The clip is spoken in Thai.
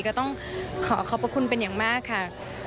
ก็ต้องขอขอบพระคุณเป็นอย่างมากค่ะ